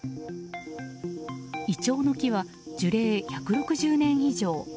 イチョウの木は樹齢１６０年以上。